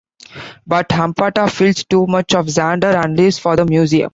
But Ampata feels too much for Xander and leaves for the museum.